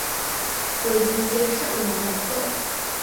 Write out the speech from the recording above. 我直接上网网购